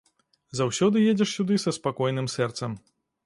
Заўсёды едзеш сюды са спакойным сэрцам.